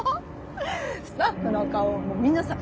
スタッフの顔もうみんなさ